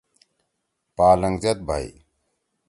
پالنگ زید بھئی۔